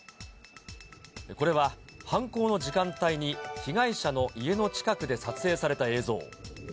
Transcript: これは、犯行の時間帯に被害者の家の近くで撮影された映像。